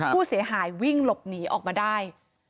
ผู้เสียหายวิ่งหลบหนีออกมาได้